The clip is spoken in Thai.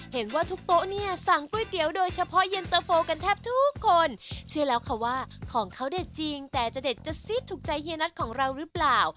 เห็นว่าทุกโต๊ะเนี่ยสั่งก๋วยเตี๋ยวโดยเฉพาะเย็นตะโฟกันแทบทุกคนเชื่อแล้วค่ะว่าของเขาเด็ดจริงแต่จะเด็ดจะซีดถูกใจเฮียนัทของเราหรือเปล่า